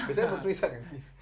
biasanya batu nisan kan